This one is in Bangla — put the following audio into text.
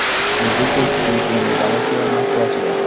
মেয়েটির চুল কি বেণী-বাঁধা ছিল, না খোলা ছিল।